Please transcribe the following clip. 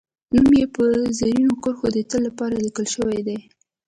نوم یې په زرینو کرښو د تل لپاره لیکل شوی دی